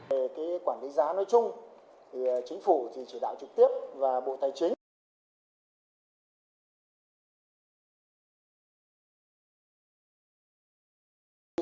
về cái quản lý giá nói chung thì chính phủ thì chỉ đạo trực tiếp và bộ tài chính